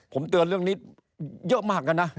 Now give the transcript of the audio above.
ผมเตือนเรื่องนี้เยอะมากแล้วนะ